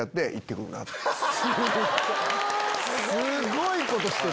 すごいことしてる。